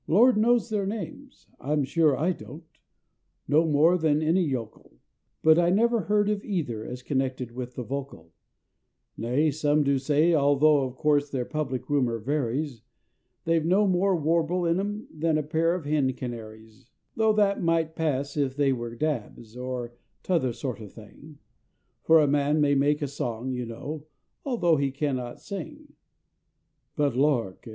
Lord knows their names, I'm sure I don't, no more than any yokel, But I never heard of either as connected with the vocal; Nay, some do say, although of course the public rumor varies, They've no more warble in 'em than a pair of hen canaries; Though that might pass if they were dabs at t'other sort of thing, For a man may make a song, you know, although he cannot sing; But lork!